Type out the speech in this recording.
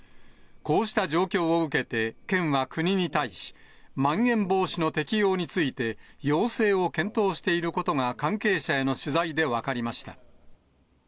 こうした状況を受けて、県は国に対し、まん延防止の適用について、要請を検討していることが関係者への取材で分かりました。